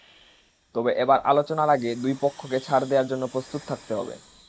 তবে এবার আলোচনার আগে দুই পক্ষকে ছাড় দেওয়ার জন্য প্রস্তুত থাকতে হবে।